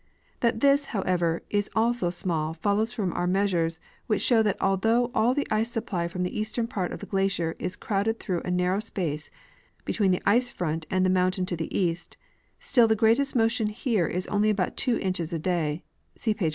That this, however, is also small follows from our measures, which show that although all the ice supply from the eastern part of the glacier is crowded through a narrow space between the ice front and the mountain to the east, still the greatest motion here is only about two inches a day (see page 45).